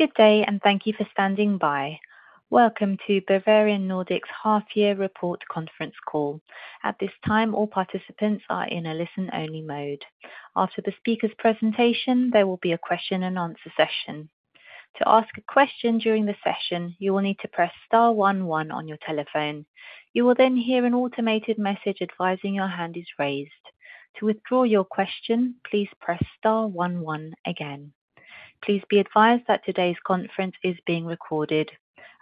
Good day, and thank you for standing by. Welcome to Bavarian Nordic's Half Year Report conference call. At this time, all participants are in a listen-only mode. After the speaker's presentation, there will be a question and answer session. To ask a question during the session, you will need to press star one one on your telephone. You will then hear an automated message advising your hand is raised. To withdraw your question, please press star one one again. Please be advised that today's conference is being recorded.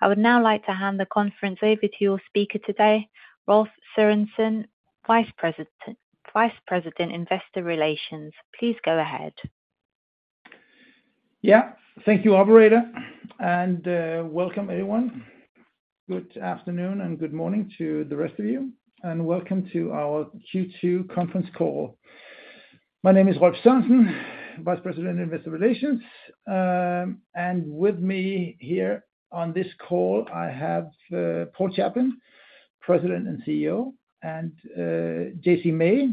I would now like to hand the conference over to your speaker today, Rolf Sørensen, Vice President, Investor Relations. Please go ahead. Yeah. Thank you, operator, and welcome, everyone. Good afternoon, and good morning to the rest of you, and welcome to our Q2 conference call. My name is Rolf Sørensen, Vice President, Investor Relations, and with me here on this call, I have Paul Chaplin, President and CEO, and JC May,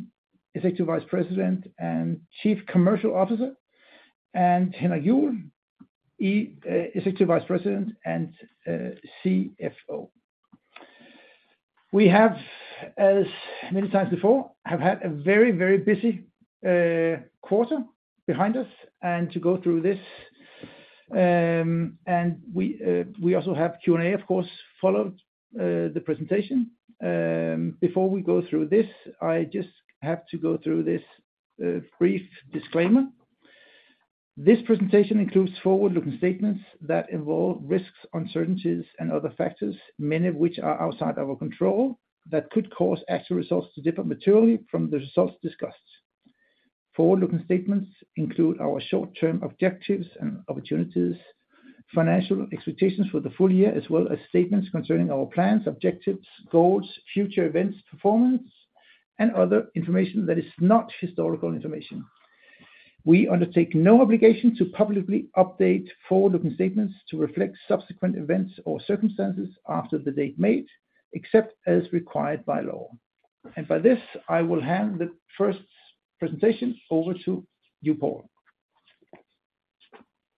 Executive Vice President and Chief Commercial Officer, and Henrik Juuel, Executive Vice President and CFO. We have, as many times before, have had a very, very busy quarter behind us and to go through this. We also have Q&A, of course, follow the presentation. Before we go through this, I just have to go through this brief disclaimer. This presentation includes forward-looking statements that involve risks, uncertainties, and other factors, many of which are outside our control, that could cause actual results to differ materially from the results discussed. Forward-looking statements include our short-term objectives and opportunities, financial expectations for the full year, as well as statements concerning our plans, objectives, goals, future events, performance, and other information that is not historical information. We undertake no obligation to publicly update forward-looking statements to reflect subsequent events or circumstances after the date made, except as required by law. By this, I will hand the first presentation over to you, Paul.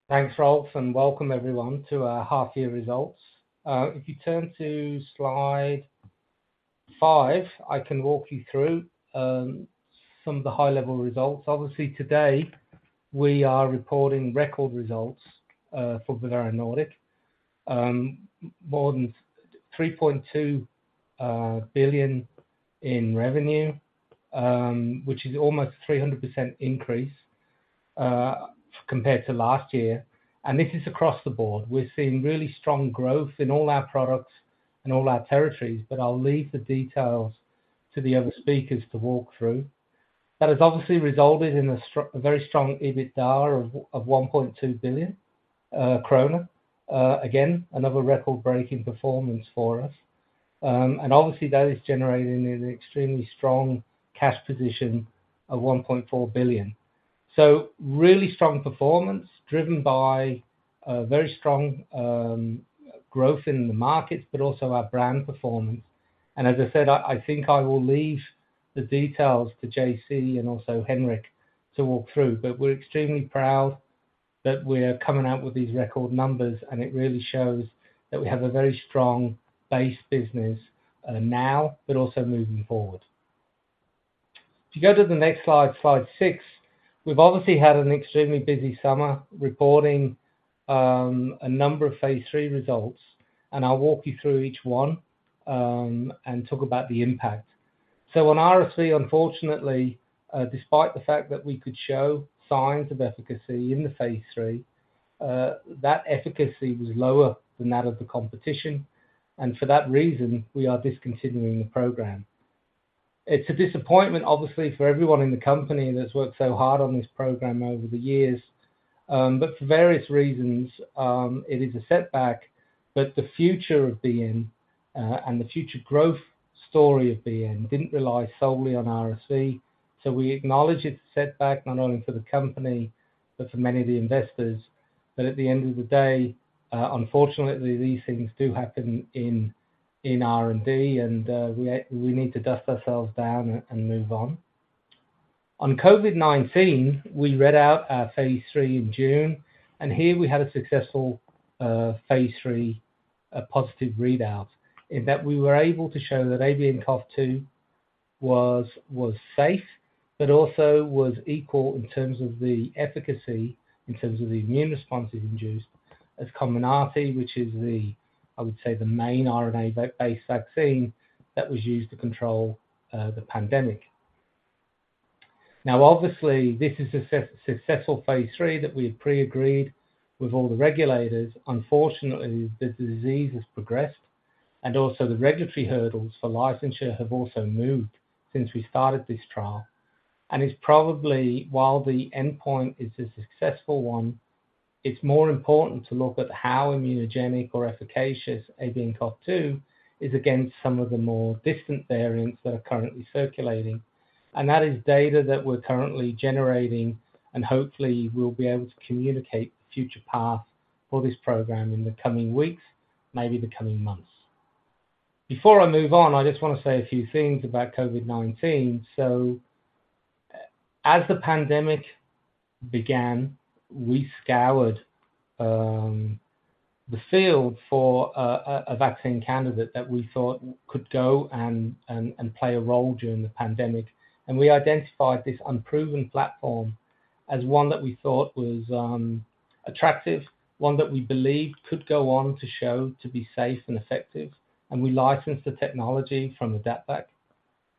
Thanks, Rolf, and welcome everyone to our half-year results. If you turn to slide five, I can walk you through some of the high-level results. Obviously, today, we are reporting record results for Bavarian Nordic. More than 3.2 billion in revenue, which is almost 300% increase compared to last year. This is across the board. We're seeing really strong growth in all our products, in all our territories, but I'll leave the details to the other speakers to walk through. That has obviously resulted in a very strong EBITDA of 1.2 billion kroner. Again, another record-breaking performance for us. Obviously that is generating an extremely strong cash position of 1.4 billion. Really strong performance, driven by very strong growth in the markets, but also our brand performance. As I said, I think I will leave the details to JC and also Henrik Juuel to walk through, but we're extremely proud that we're coming out with these record numbers, and it really shows that we have a very strong base business now, but also moving forward. If you go to the next slide, slide six, we've obviously had an extremely busy summer reporting a number of phase III results, and I'll walk you through each one and talk about the impact. On RSV, unfortunately, despite the fact that we could show signs of efficacy in the phase III, that efficacy was lower than that of the competition, and for that reason, we are discontinuing the program. It's a disappointment, obviously, for everyone in the company that's worked so hard on this program over the years, for various reasons, it is a setback, the future of BN and the future growth story of BN didn't rely solely on RSV. We acknowledge it's a setback, not only for the company, but for many of the investors. At the end of the day, unfortunately, these things do happen in, in R&D, and we, we need to dust ourselves down and move on. On COVID-19, we read out our phase III in June, and here we had a successful phase III positive readout, in that we were able to show that ABNCoV2 was safe, but also was equal in terms of the efficacy, in terms of the immune responses induced, as Comirnaty, which is the, I would say, the main RNA-based vaccine that was used to control the pandemic. Now, obviously, this is a successful phase III that we've pre-agreed with all the regulators. Unfortunately, the disease has progressed, also the regulatory hurdles for licensure have also moved since we started this trial. It's probably, while the endpoint is a successful one, it's more important to look at how immunogenic or efficacious ABNCoV2 is against some of the more distant variants that are currently circulating. That is data that we're currently generating, and hopefully we'll be able to communicate the future path for this program in the coming weeks, maybe the coming months. Before I move on, I just want to say a few things about COVID-19. As the pandemic began, we scoured the field for a, a, a vaccine candidate that we thought could go and, and, and play a role during the pandemic. We identified this unproven platform as one that we thought was attractive, one that we believed could go on to show to be safe and effective, and we licensed the technology from the AdaptVac.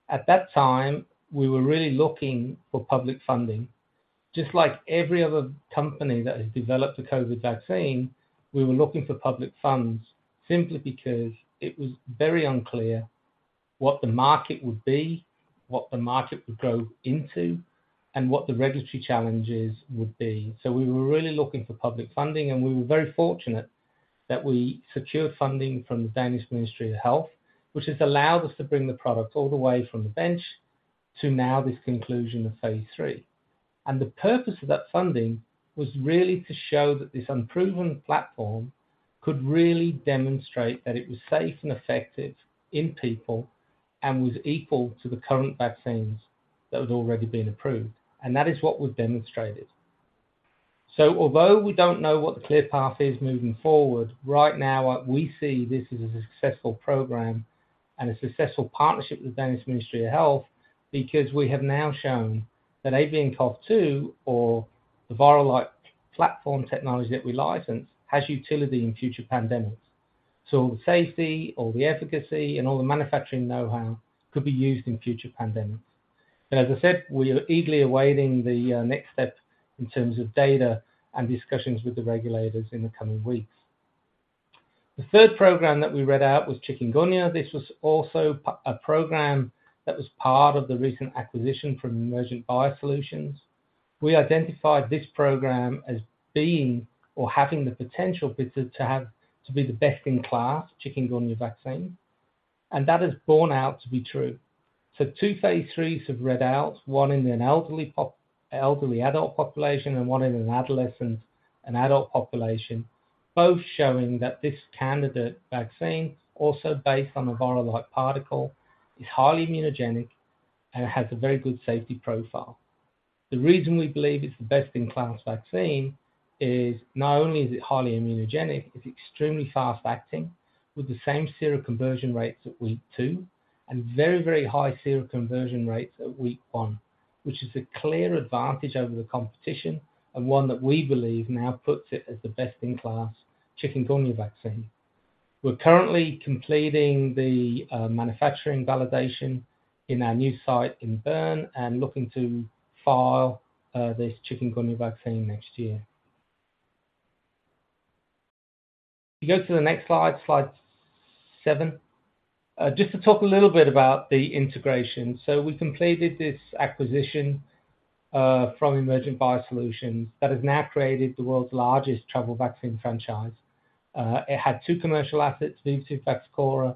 At that time, we were really looking for public funding. Just like every other company that has developed a COVID vaccine, we were looking for public funds simply because it was very unclear what the market would be, what the market would grow into, and what the regulatory challenges would be. We were really looking for public funding, and we were very fortunate that we secured funding from the Danish Ministry of Health, which has allowed us to bring the product all the way from the bench to now this conclusion of phase III. The purpose of that funding was really to show that this unproven platform could really demonstrate that it was safe and effective in people, and was equal to the current vaccines that had already been approved. That is what we've demonstrated. Although we don't know what the clear path is moving forward, right now, what we see, this is a successful program and a successful partnership with the Danish Ministry of Health, because we have now shown that ABNCoV2, or the viral-like platform technology that we licensed, has utility in future pandemics. All the safety, all the efficacy, and all the manufacturing know-how could be used in future pandemics. As I said, we are eagerly awaiting the next step in terms of data and discussions with the regulators in the coming weeks. The third program that we read out was chikungunya. This was also a program that was part of the recent acquisition from Emergent BioSolutions. We identified this program as being or having the potential to be the best-in-class chikungunya vaccine, and that has borne out to be true. Two phase IIIs have read out, one in an elderly adult population and one in an adolescent and adult population, both showing that this candidate vaccine, also based on a virus-like particle, is highly immunogenic and has a very good safety profile. The reason we believe it's the best-in-class vaccine is, not only is it highly immunogenic, it's extremely fast-acting, with the same seroconversion rates at week two and very, very high seroconversion rates at week one, which is a clear advantage over the competition, and one that we believe now puts it as the best-in-class chikungunya vaccine. We're currently completing the manufacturing validation in our new site in Bern and looking to file this chikungunya vaccine next year. If you go to the next slide, slide seven. Just to talk a little bit about the integration. We completed this acquisition from Emergent BioSolutions that has now created the world's largest travel vaccine franchise. It had two commercial assets, Vivotif, Vaxchora,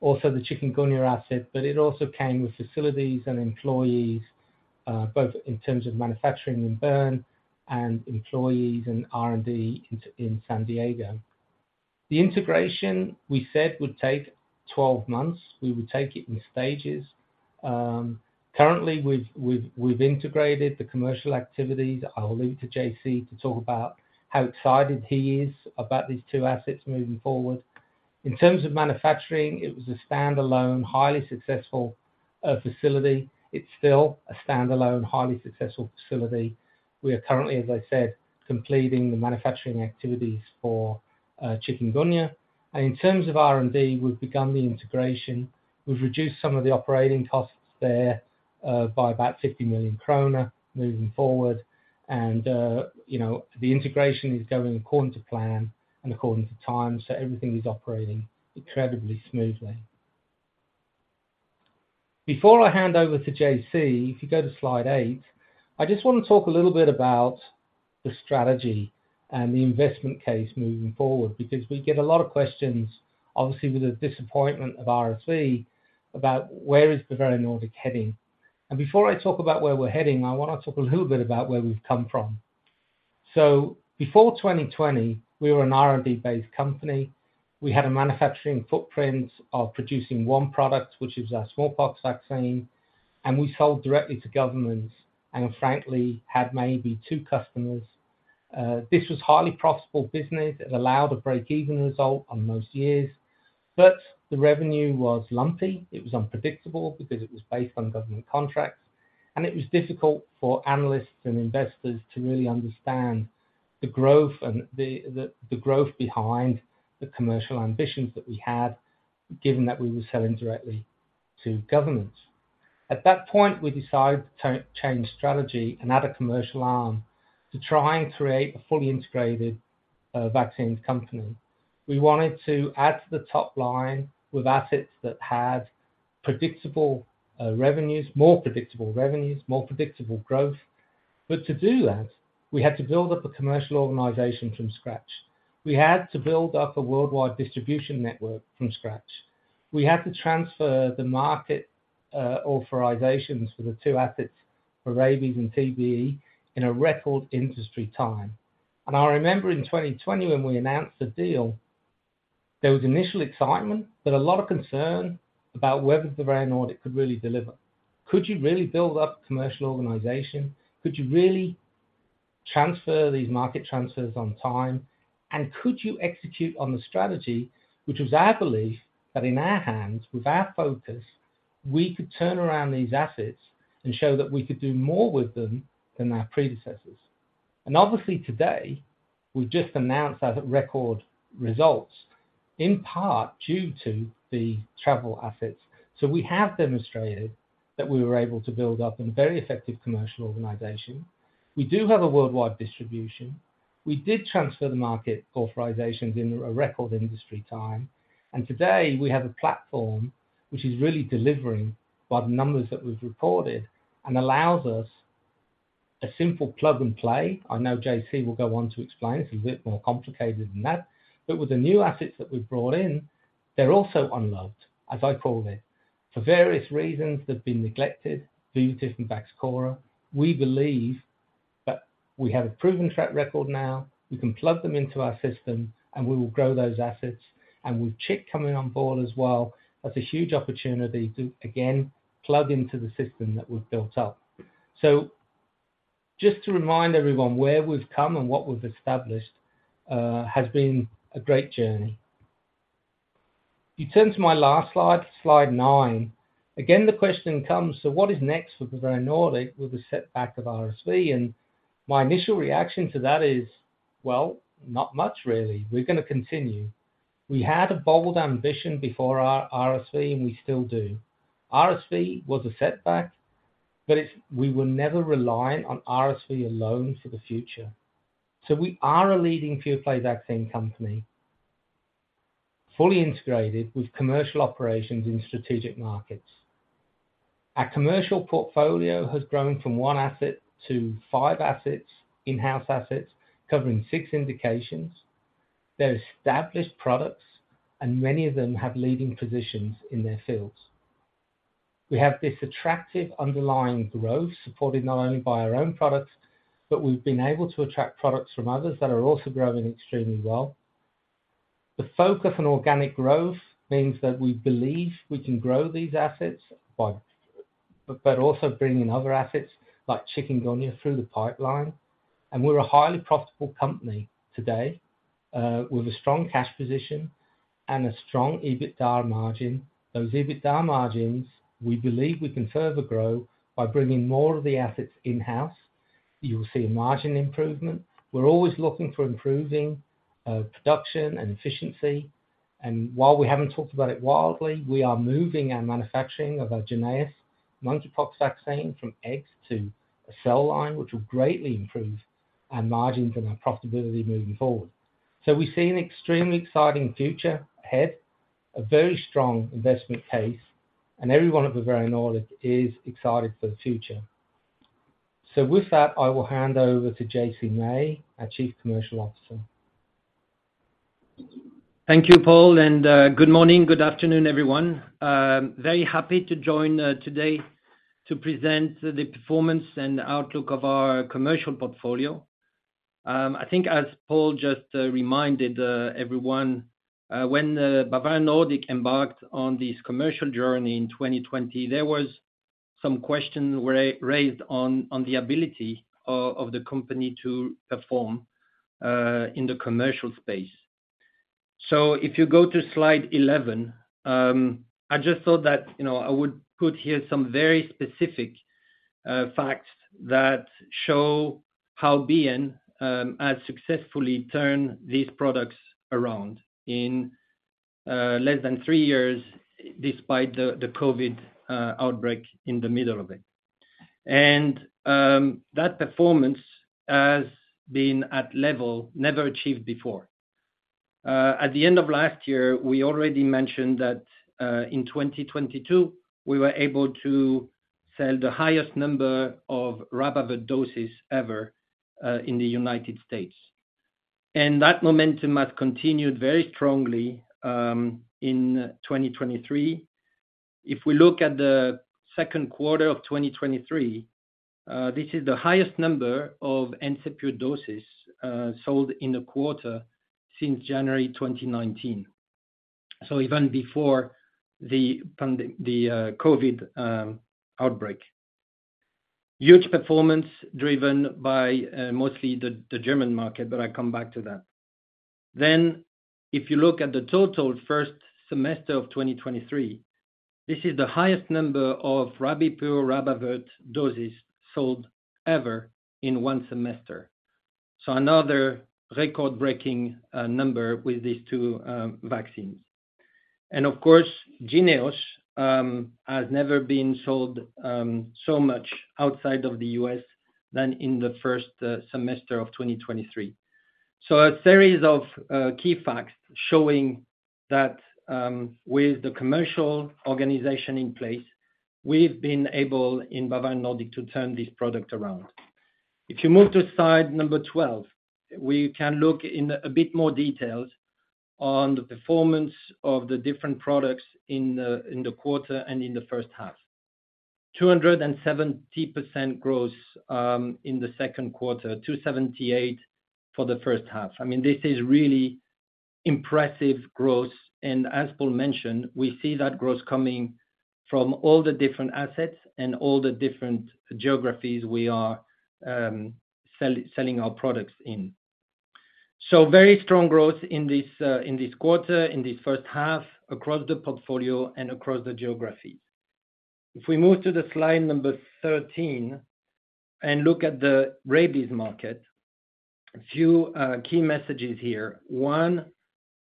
also the chikungunya asset, but it also came with facilities and employees, both in terms of manufacturing in Bern and employees in R&D in San Diego. The integration we said would take 12 months. We would take it in stages. Currently, we've, we've, we've integrated the commercial activities. I'll leave to JC to talk about how excited he is about these two assets moving forward. In terms of manufacturing, it was a standalone, highly successful facility. It's still a standalone, highly successful facility. We are currently, as I said, completing the manufacturing activities for chikungunya. In terms of R&D, we've begun the integration. We've reduced some of the operating costs there by about 50 million kroner moving forward. You know, the integration is going according to plan and according to time, so everything is operating incredibly smoothly. Before I hand over to JC, if you go to slide eight, I just want to talk a little bit about the strategy and the investment case moving forward, because we get a lot of questions, obviously, with the disappointment of RSV, about where is the Bavarian Nordic heading. Before I talk about where we're heading, I want to talk a little bit about where we've come from. Before 2020, we were an R&D-based company. We had a manufacturing footprint of producing one product, which is our smallpox vaccine, and we sold directly to governments, and frankly, had maybe two customers. This was highly profitable business. It allowed a break-even result on most years, but the revenue was lumpy. It was unpredictable because it was based on government contracts, and it was difficult for analysts and investors to really understand the growth and the growth behind the commercial ambitions that we had, given that we were selling directly to governments. At that point, we decided to change strategy and add a commercial arm to try and create a fully integrated vaccines company. We wanted to add to the top line with assets that had predictable revenues, more predictable revenues, more predictable growth. To do that, we had to build up a commercial organization from scratch. We had to build up a worldwide distribution network from scratch. We had to transfer the market authorizations for the two assets, for rabies and TBE, in a record industry time. I remember in 2020, when we announced the deal. There was initial excitement, but a lot of concern about whether Bavarian Nordic could really deliver. Could you really build up a commercial organization? Could you really transfer these market transfers on time? Could you execute on the strategy, which was our belief that in our hands, with our focus, we could turn around these assets and show that we could do more with them than our predecessors. Obviously today, we've just announced our record results, in part, due to the travel assets. We have demonstrated that we were able to build up a very effective commercial organization. We do have a worldwide distribution. We did transfer the market authorizations in a record industry time, and today we have a platform which is really delivering by the numbers that we've reported and allows us a simple plug-and-play. I know JC will go on to explain, it's a bit more complicated than that, but with the new assets that we've brought in, they're also unlocked, as I called it. For various reasons, they've been neglected, Vivotif and Vaxchora. We believe that we have a proven track record now, we can plug them into our system, and we will grow those assets. With CHIKV coming on board as well, that's a huge opportunity to, again, plug into the system that we've built up. Just to remind everyone, where we've come and what we've established has been a great journey. You turn to my last slide, slide nine. Again, the question comes, what is next for Bavarian Nordic with the setback of RSV? My initial reaction to that is, well, not much, really. We're gonna continue. We had a bold ambition before our RSV, and we still do. RSV was a setback, but we will never rely on RSV alone for the future. We are a leading pure-play vaccine company, fully integrated with commercial operations in strategic markets. Our commercial portfolio has grown from one asset to five assets, in-house assets, covering six indications. They're established products, and many of them have leading positions in their fields. We have this attractive underlying growth, supported not only by our own products, but we've been able to attract products from others that are also growing extremely well. The focus on organic growth means that we believe we can grow these assets by, but, but also bring in other assets, like chikungunya through the pipeline. We're a highly profitable company today with a strong cash position and a strong EBITDA margin. Those EBITDA margins, we believe we can further grow by bringing more of the assets in-house. You will see a margin improvement. We're always looking for improving production and efficiency. While we haven't talked about it wildly, we are moving our manufacturing of our JYNNEOS mpox vaccine from eggs to a cell line, which will greatly improve our margins and our profitability moving forward. We see an extremely exciting future ahead, a very strong investment case, and everyone at Bavarian Nordic is excited for the future. With that, I will hand over to JC May, our Chief Commercial Officer. Thank you, Paul, and good morning. Good afternoon, everyone. Very happy to join today to present the performance and outlook of our commercial portfolio. I think as Paul just reminded everyone, when Bavarian Nordic embarked on this commercial journey in 2020, there was some questions were raised on the ability of the company to perform in the commercial space. If you go to slide 11, I just thought that, you know, I would put here some very specific facts that show how BN has successfully turned these products around in less than three years, despite the COVID outbreak in the middle of it. That performance has been at level never achieved before. At the end of last year, we already mentioned that in 2022, we were able to sell the highest number of RabAvert doses ever in the United States. That momentum has continued very strongly in 2023. If we look at the second quarter of 2023, this is the highest number of Encepur doses sold in a quarter since January 2019. Even before the COVID outbreak. Huge performance driven by mostly the German market, but I come back to that. If you look at the total first semester of 2023, this is the highest number of Rabipur, RabAvert doses sold ever in one semester. Another record-breaking number with these two vaccines. Of course, JYNNEOS has never been sold so much outside of the U.S. than in the first semester of 2023. A series of key facts showing that with the commercial organization in place, we've been able, in Bavarian Nordic, to turn this product around. If you move to slide number 12, we can look in a bit more details on the performance of the different products in the quarter and in the first half. 270% growth in the second quarter, 278% for the first half. I mean, this is really impressive growth, and as Paul mentioned, we see that growth coming from all the different assets and all the different geographies we are selling our products in. Very strong growth in this, in this quarter, in this first half, across the portfolio and across the geographies. If we move to the slide number 13 and look at the rabies market, a few key messages here. One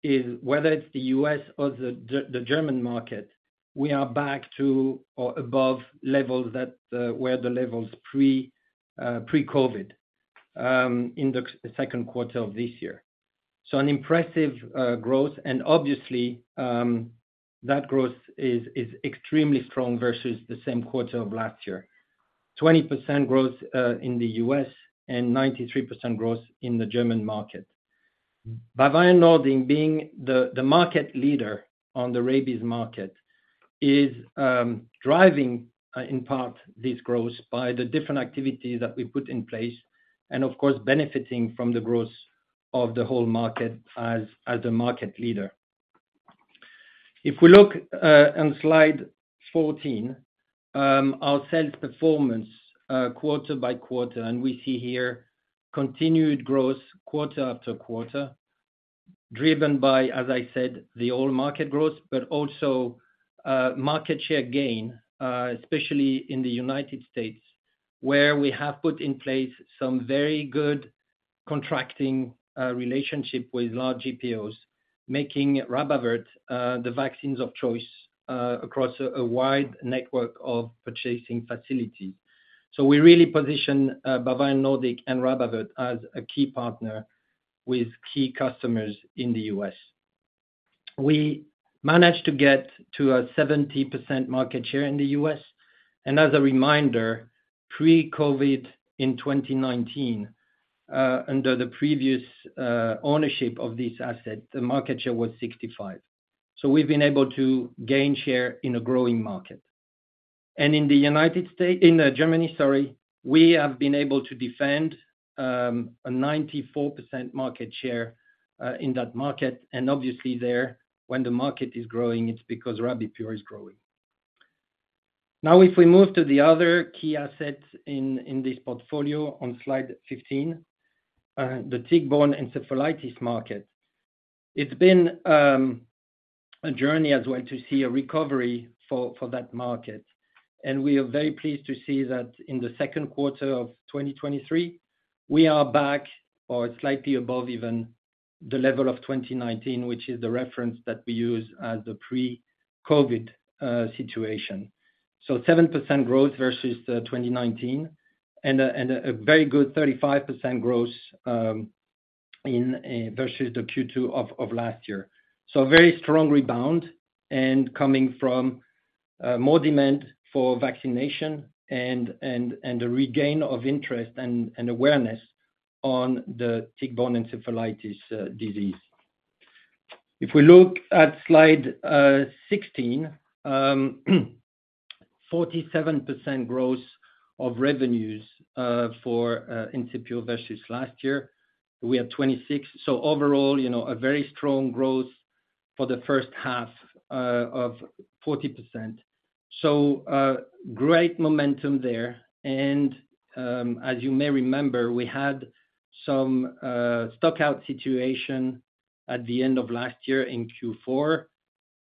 is whether it's the U.S. or the German market, we are back to or above levels that where the levels pre-COVID, in the second quarter of this year. An impressive growth, and obviously, that growth is, is extremely strong versus the same quarter of last year. 20% growth in the U.S. and 93% growth in the German market. Bavarian Nordic, being the, the market leader on the rabies market, is driving in part, this growth by the different activities that we put in place, of course, benefiting from the growth of the whole market as, as a market leader. If we look on slide 14, our sales performance quarter by quarter, we see here continued growth quarter after quarter, driven by, as I said, the all market growth, also market share gain, especially in the United States, where we have put in place some very good contracting relationship with large GPOs, making RabAvert the vaccines of choice across a wide network of purchasing facilities. We really position Bavarian Nordic and RabAvert as a key partner with key customers in the U.S. We managed to get to a 70% market share in the U.S. As a reminder, pre-COVID, in 2019, under the previous ownership of this asset, the market share was 65. We've been able to gain share in a growing market. In the United States, in Germany, sorry, we have been able to defend a 94% market share in that market. Obviously there, when the market is growing, it's because Rabipur is growing. If we move to the other key assets in this portfolio on slide 15, the tick-borne encephalitis market. It's been a journey as well to see a recovery for, for that market. We are very pleased to see that in the second quarter of 2023, we are back or slightly above even, the level of 2019, which is the reference that we use as the pre-COVID situation. 7% growth versus 2019, and a very good 35% growth in versus the Q2 of last year. A very strong rebound and coming from more demand for vaccination and a regain of interest and awareness on the tick-borne encephalitis disease. If we look at slide 16, 47% growth of revenues for Encepur versus last year, we had 26. Overall, you know, a very strong growth for the first half of 40%. Great momentum there, as you may remember, we had some stock out situation at the end of last year in Q4,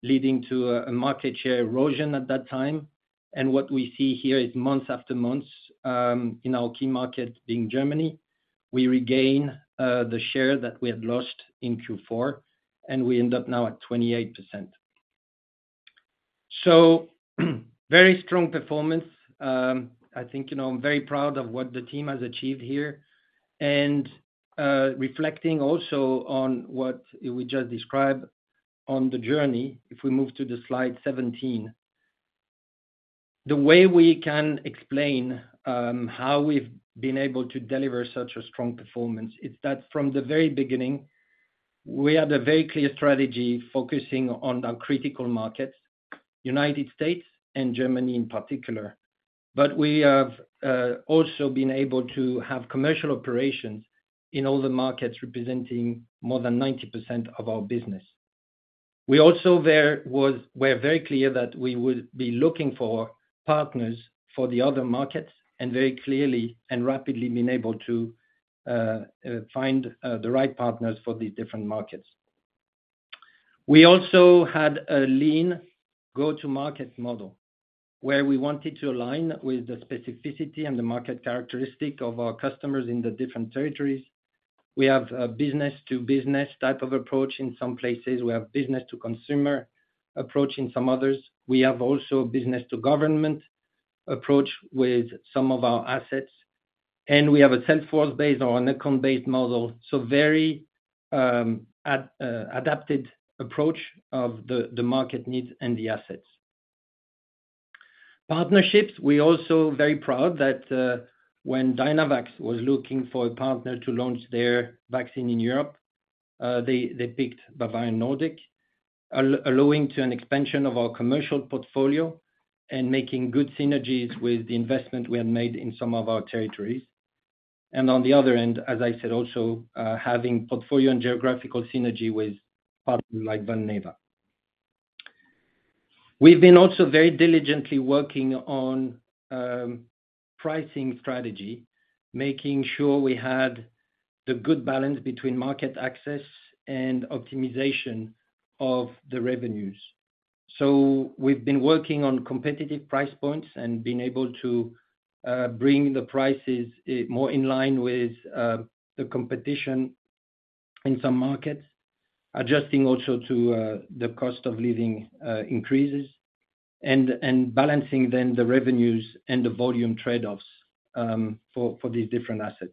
leading to a market share erosion at that time. What we see here is month after month, in our key market, in Germany, we regain the share that we had lost in Q4, and we end up now at 28%. Very strong performance. I think, you know, I'm very proud of what the team has achieved here, reflecting also on what we just described on the journey, if we move to the slide 17. The way we can explain how we've been able to deliver such a strong performance is that from the very beginning, we had a very clear strategy focusing on our critical markets, United States and Germany in particular. We have, also been able to have commercial operations in all the markets, representing more than 90% of our business. We also were very clear that we would be looking for partners for the other markets, and very clearly and rapidly been able to, find, the right partners for these different markets. We also had a lean go-to-market model, where we wanted to align with the specificity and the market characteristic of our customers in the different territories. We have a business-to-business type of approach in some places. We have business-to-consumer approach in some others. We have also a business-to-government approach with some of our assets, and we have a salesforce-based or an account-based model. very, at, adapted approach of the, the market needs and the assets. Partnerships, we're also very proud that, when Dynavax was looking for a partner to launch their vaccine in Europe, they, they picked Bavarian Nordic, allowing to an expansion of our commercial portfolio and making good synergies with the investment we have made in some of our territories. And on the other end, as I said, also, having portfolio and geographical synergy with partners like Valneva. We've been also very diligently working on pricing strategy, making sure we had the good balance between market access and optimization of the revenues. So we've been working on competitive price points and been able to bring the prices more in line with the competition in some markets, adjusting also to the cost of living increases, and, and balancing then the revenues and the volume trade-offs for, for these different assets.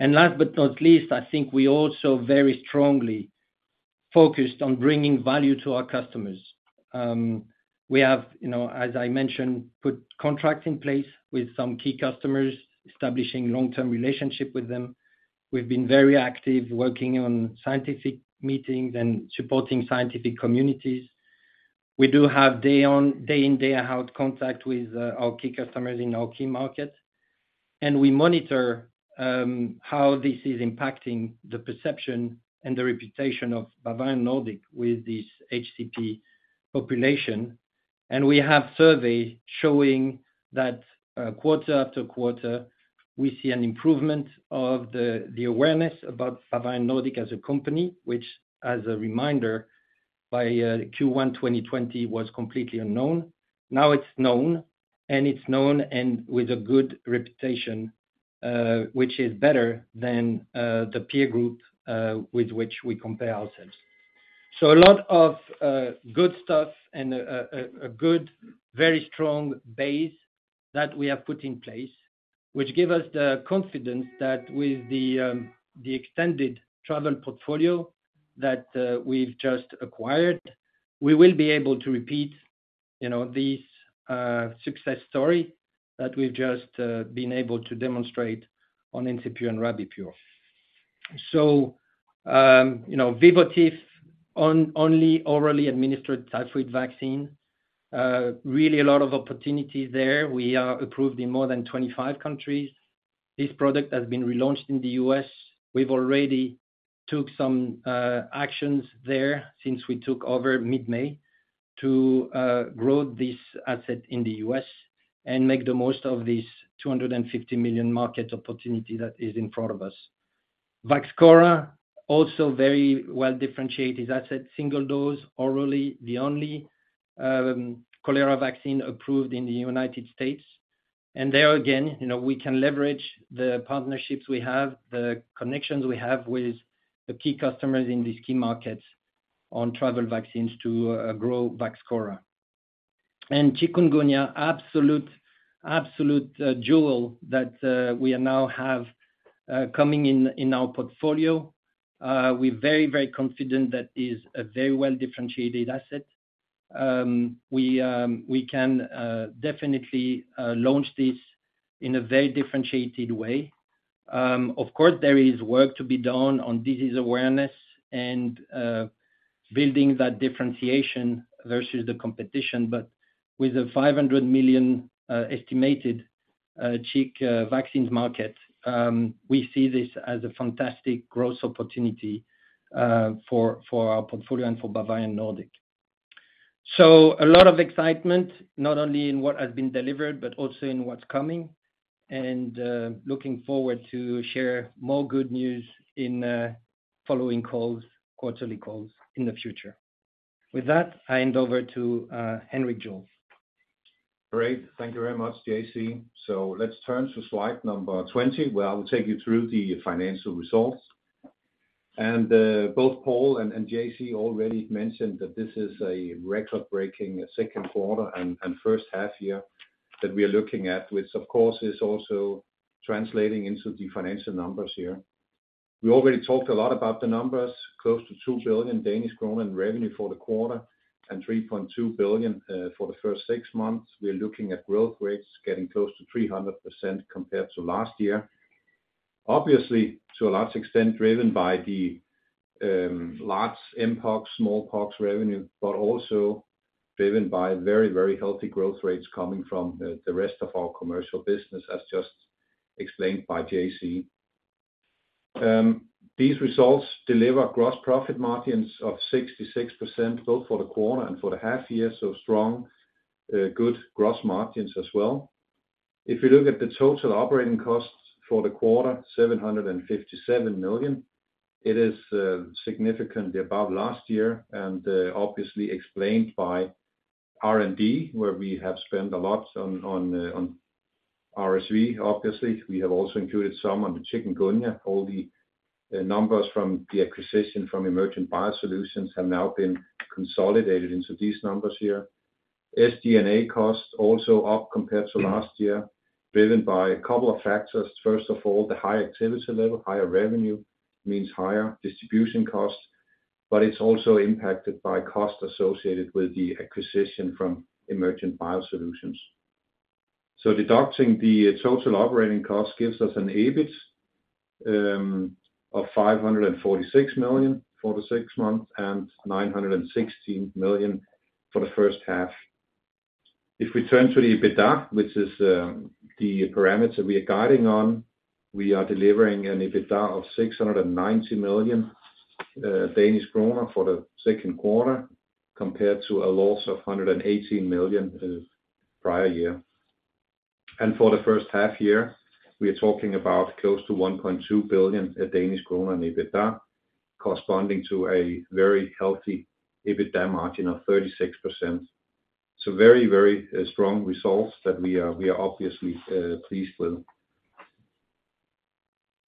Last but not least, I think I also very strongly focused on bringing value to our customers. We have, you know, as I mentioned, put contracts in place with some key customers, establishing long-term relationship with them. We've been very active working on scientific meetings and supporting scientific communities. We do have day on- day in, day out contact with our key customers in our key markets, and we monitor how this is impacting the perception and the reputation of Bavarian Nordic with this HCP population. We have surveys showing that quarter after quarter, we see an improvement of the, the awareness about Bavarian Nordic as a company, which, as a reminder, by Q1 2020, was completely unknown. Now it's known, and it's known and with a good reputation, which is better than the peer group with which we compare ourselves. A lot of good stuff and a good, very strong base that we have put in place, which give us the confidence that with the extended travel portfolio that we've just acquired, we will be able to repeat, you know, this success story that we've just been able to demonstrate on Encepur and Rabipur. You know, Vivotif, only orally administered typhoid vaccine, really a lot of opportunity there. We are approved in more than 25 countries. This product has been relaunched in the U.S. We've already took some actions there since we took over mid-May, to grow this asset in the U.S. and make the most of this $250 million market opportunity that is in front of us. Vaxchora, also very well-differentiated asset, single dose, orally, the only cholera vaccine approved in the United States. There, again, you know, we can leverage the partnerships we have, the connections we have with the key customers in these key markets on travel vaccines to grow Vaxchora. Chikungunya, absolute, absolute jewel that we now have coming in, in our portfolio. We're very, very confident that is a very well-differentiated asset. We, we can definitely launch this in a very differentiated way. Of course, there is work to be done on disease awareness and building that differentiation versus the competition, but with a $500 million estimated chik vaccines market, we see this as a fantastic growth opportunity for, for our portfolio and for Bavarian Nordic. A lot of excitement, not only in what has been delivered, but also in what's coming, and looking forward to share more good news in following calls, quarterly calls in the future. With that, I hand over to Henrik Juuel. Great. Thank you very much, JC. Let's turn to slide number 20, where I will take you through the financial results. Both Paul and JC already mentioned that this is a record-breaking second quarter and first half year that we are looking at, which of course, is also translating into the financial numbers here. We already talked a lot about the numbers, close to 2 billion Danish kroner in revenue for the quarter and 3.2 billion for the first six months. We are looking at growth rates getting close to 300% compared to last year. Obviously, to a large extent, driven by the large mpox, smallpox revenue, but also driven by very, very healthy growth rates coming from the rest of our commercial business, as just explained by JC. These results deliver gross profit margins of 66%, both for the quarter and for the half year, so strong, good gross margins as well. If you look at the total operating costs for the quarter, 757 million, it is significantly above last year and obviously explained by R&D, where we have spent a lot on, on RSV, obviously. We have also included some on the chikungunya. All the numbers from the acquisition from Emergent BioSolutions have now been consolidated into these numbers here. SG&A costs also up compared to last year, driven by a couple of factors. First of all, the high activity level, higher revenue means higher distribution costs, but it's also impacted by costs associated with the acquisition from Emergent BioSolutions. Deducting the total operating cost gives us an EBIT of 546 million for the six months and 916 million for the first half. If we turn to the EBITDA, which is the parameter we are guiding on, we are delivering an EBITDA of 690 million Danish kroner for the second quarter, compared to a loss of 118 million the prior year. For the first half year, we are talking about close to 1.2 billion Danish kroner in EBITDA, corresponding to a very healthy EBITDA margin of 36%. Very, very strong results that we are, we are obviously pleased with.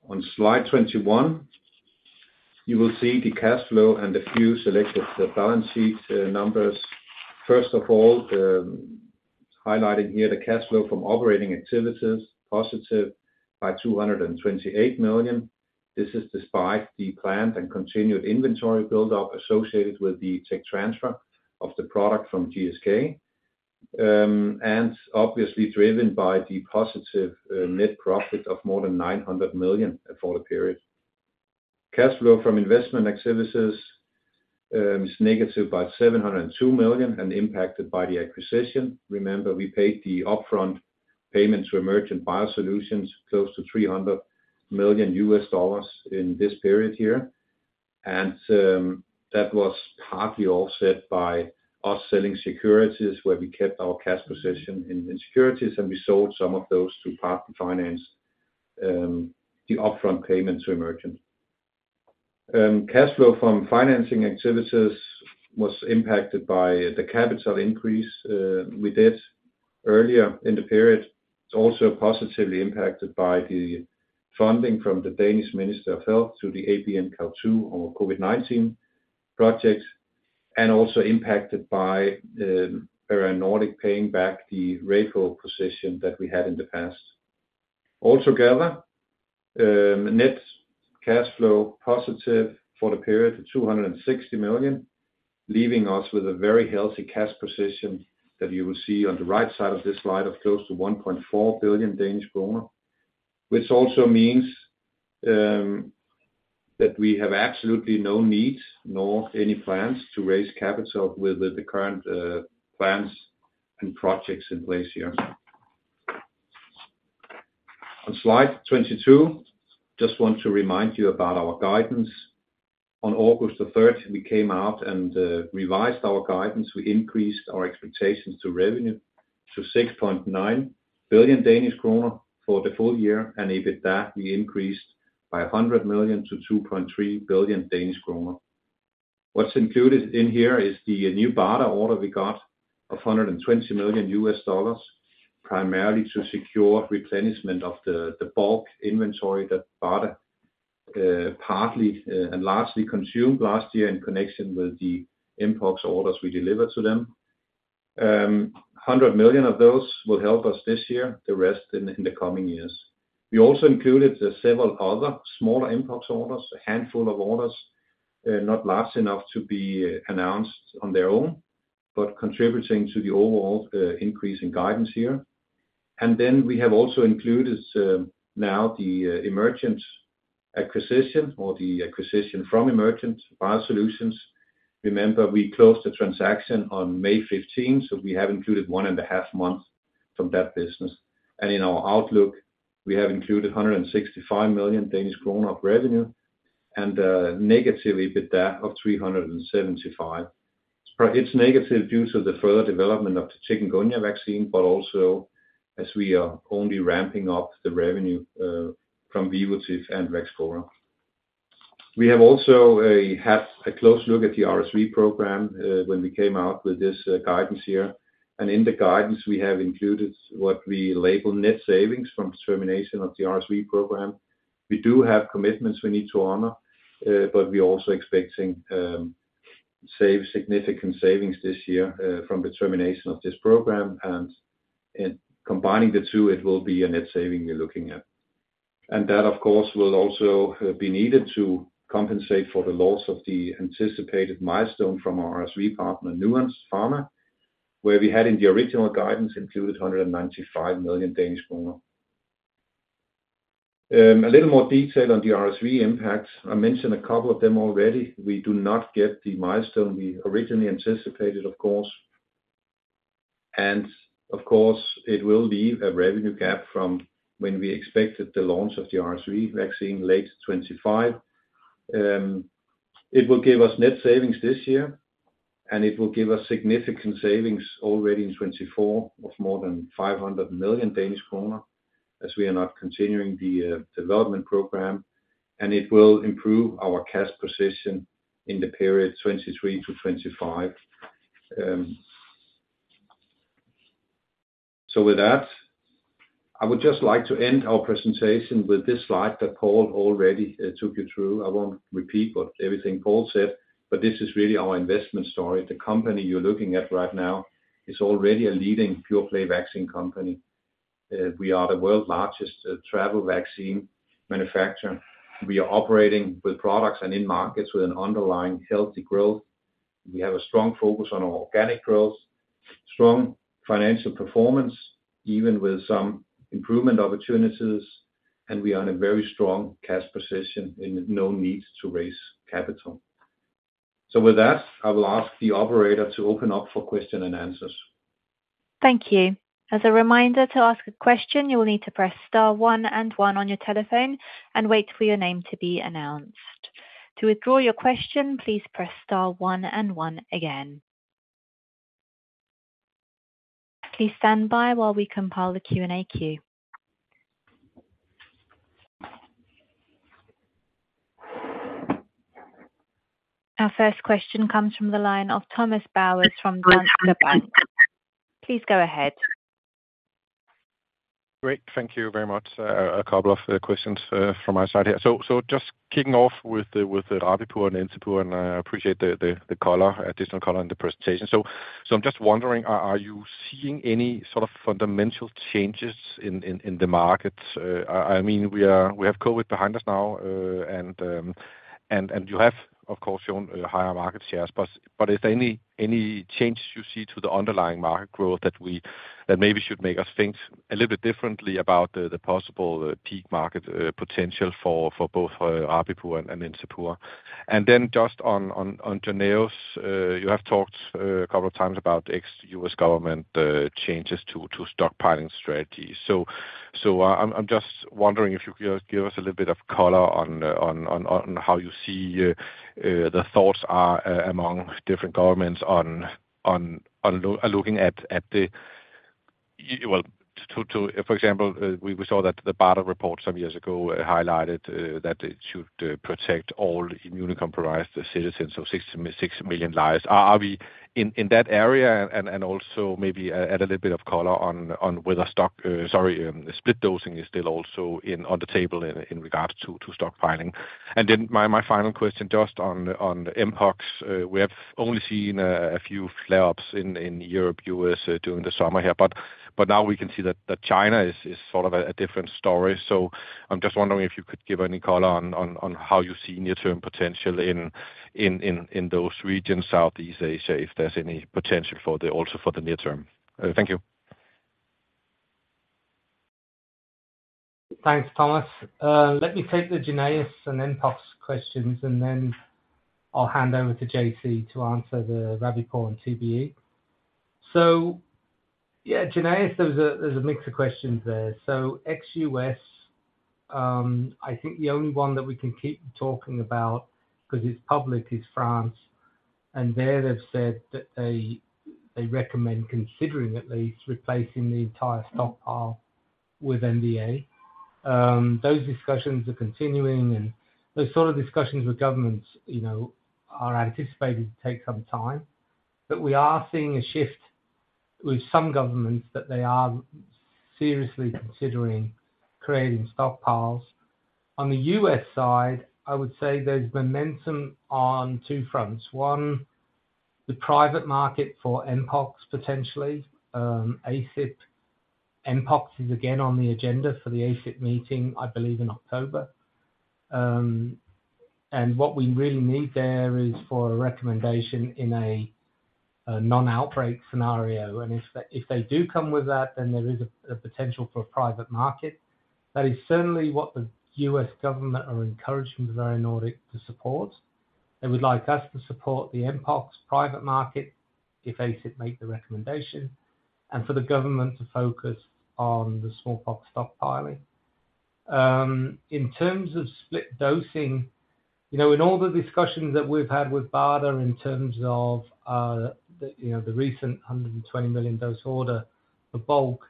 On slide 21, you will see the cash flow and a few selected balance sheet numbers. First of all, highlighting here the cash flow from operating activities, positive by 228 million. This is despite the planned and continued inventory build-up associated with the tech transfer of the product from GSK. Obviously driven by the positive net profit of more than 900 million for the period. Cash flow from investment activities is negative by 702 million and impacted by the acquisition. Remember, we paid the upfront payment to Emergent BioSolutions, close to $300 million in this period here. That was partly offset by us selling securities where we kept our cash position in securities, and we sold some of those to partly finance the upfront payment to Emergent. Cash flow from financing activities was impacted by the capital increase we did earlier in the period. It's also positively impacted by the funding from the Danish Ministry of Health through the ABNCoV2 or COVID-19 project, and also impacted by Bavarian Nordic paying back the repo position that we had in the past. Altogether, net cash flow positive for the period of 260 million, leaving us with a very healthy cash position that you will see on the right side of this slide of close to 1.4 billion. Which also means that we have absolutely no need, nor any plans to raise capital with the current plans and projects in place here. On slide 22, just want to remind you about our guidance. On August 3rd, we came out and revised our guidance. We increased our expectations to revenue to 6.9 billion Danish kroner for the full year, and EBITDA we increased by 100 million to 2.3 billion Danish kroner. What's included in here is the new BARDA order we got of $120 million, primarily to secure replenishment of the bulk inventory that BARDA partly and largely consumed last year in connection with the mpox orders we delivered to them. $100 million of those will help us this year, the rest in the coming years. We also included the several other smaller mpox orders, a handful of orders, not large enough to be announced on their own, but contributing to the overall increase in guidance here. We have also included now the Emergent acquisition or the acquisition from Emergent BioSolutions. Remember, we closed the transaction on May 15, so we have included 1.5 months from that business. In our outlook, we have included 165 million Danish kroner of revenue and negative EBITDA of 375 million. It's negative due to the further development of the chikungunya vaccine, but also as we are only ramping up the revenue from Vivotif and Vaxchora. We have also had a close look at the RSV program when we came out with this guidance here. In the guidance, we have included what we label net savings from termination of the RSV program. We do have commitments we need to honor, but we're also expecting significant savings this year from the termination of this program, and in combining the two, it will be a net saving you're looking at. That, of course, will also be needed to compensate for the loss of the anticipated milestone from our RSV partner, Nuance Pharma, where we had in the original guidance included 195 million Danish kroner. A little more detail on the RSV impact. I mentioned a couple of them already. We do not get the milestone we originally anticipated, of course. Of course, it will leave a revenue gap from when we expected the launch of the RSV vaccine, late 2025. It will give us net savings this year, and it will give us significant savings already in 2024 of more than 500 million Danish kroner, as we are not continuing the development program, and it will improve our cash position in the period 2023-2025. With that, I would just like to end our presentation with this slide that Paul already took you through. I won't repeat what everything Paul said, but this is really our investment story. The company you're looking at right now is already a leading pure-play vaccine company. We are the world's largest travel vaccine manufacturer. We are operating with products and in markets with an underlying healthy growth. We have a strong focus on organic growth, strong financial performance, even with some improvement opportunities, and we are in a very strong cash position and no need to raise capital. With that, I will ask the operator to open up for question and answers. Thank you. As a reminder, to ask a question, you will need to press star one and one on your telephone and wait for your name to be announced. To withdraw your question, please press star one and one again. Please stand by while we compile the Q&A queue. Our first question comes from the line of Thomas Bowers from Danske Bank. Please go ahead. Great. Thank you very much. A couple of questions from my side here. Just kicking off with the Rabipur and Encepur, and I appreciate the, the, the color, additional color in the presentation. I'm just wondering, are, are you seeing any sort of fundamental changes in, in, in the market? I, I mean, we have COVID behind us now, and, and you have, of course, shown higher market shares. Is there any, any changes you see to the underlying market growth that we, that maybe should make us think a little bit differently about the, the possible peak market potential for, for both Rabipur and, and Encepur? Just on, on, on JYNNEOS, you have talked a couple of times about ex-U.S. government changes to, to stockpiling strategies. I'm, I'm just wondering if you could give us a little bit of color on, on, on how you see the thoughts are among different governments on, on, on looking at, at the, for example, we saw that the BARDA report some years ago highlighted that it should protect all immunocompromised citizens, so six million lives. Are, are we in, in that area? Also maybe add, add a little bit of color on, on whether stock, split dosing is still also in, on the table in, in regards to, to stockpiling. My, my final question, just on the, on the mpox. We have only seen a few flare-ups in Europe, U.S., during the summer here, but, but now we can see that China is sort of a different story. I'm just wondering if you could give any color on how you see near-term potential in those regions, Southeast Asia, if there's any potential for the also for the near term. Thank you. Thanks, Thomas. Let me take the JYNNEOS and mpox questions. Then I'll hand over to JC to answer the Rabipur and TBE. Yeah, JYNNEOS, there's a mix of questions there. Ex-U.S., I think the only one that we can keep talking about, because it's public, is France. There, they've said that they recommend considering at least replacing the entire stockpile with MVA. Those discussions are continuing, and those sort of discussions with governments, you know, are anticipated to take some time. We are seeing a shift with some governments, that they are seriously considering creating stockpiles. On the U.S. side, I would say there's momentum on two fronts. One, the private market for mpox, potentially. ACIP, mpox is again on the agenda for the ACIP meeting, I believe, in October. What we really need there is for a recommendation in a non-outbreak scenario, if they, if they do come with that, then there is a potential for a private market. That is certainly what the U.S. government are encouraging Bavarian Nordic to support. They would like us to support the mpox private market, if ACIP make the recommendation, for the government to focus on the smallpox stockpiling. In terms of split dosing, you know, in all the discussions that we've had with BARDA in terms of, the, you know, the recent 120 million dose order, the bulk,